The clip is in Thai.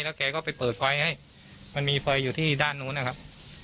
แกก็ไปเปิดไฟให้มันมีไฟอยู่ที่ด้านนู้นนะครับ